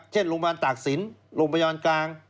เช่นโรงพยาบาลตากศิลป์โรงพยาบาลกลาง